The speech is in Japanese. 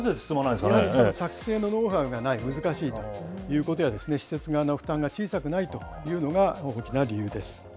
作成のノウハウがない、難しいということや、施設側の負担が小さくないというのが大きな理由です。